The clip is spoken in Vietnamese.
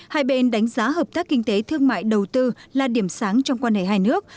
hai bên đánh giá hợp tác kinh tế thương mại đầu tư là điểm sáng trong quan hệ hai nước